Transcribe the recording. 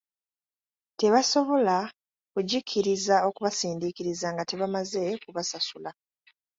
Tebasobola kugikkiriza okubasindiikiriza nga temaze kubasasula.